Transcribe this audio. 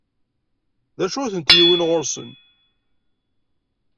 D acu i tent-iwwin ɣur-sen?